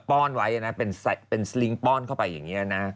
้อนไว้นะเป็นสลิงค์ป้อนเข้าไปอย่างนี้นะ